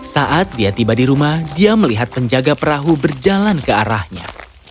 saat dia tiba di rumah dia melihat penjaga perahu berjalan ke arahnya